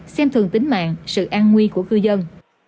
xem thường tính mạng sự an nguy của cư dân